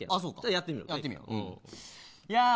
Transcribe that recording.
やってみよう。